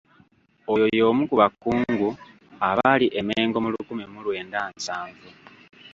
Oyo y'omu ku bakungu abaali e Mengo mu lukumi mu lwenda nsanvu.